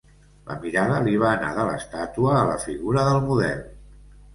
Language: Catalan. La mirada li va anar de l'estàtua a la figura del model